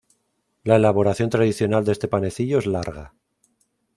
La elaboración tradicional de este panecillo es larga.